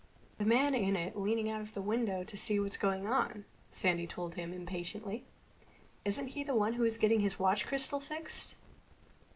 "The man in it leaning out of the window to see what's going on," Sandy told him impatiently. "Isn't he the one who was getting his watch crystal fixed?"